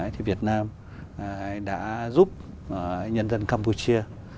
thì việt nam đã giúp nhân dân campuchia